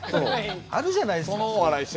あるじゃないですか。